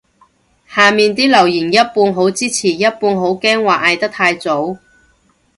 下面啲留言一半好支持一半好驚話嗌得太早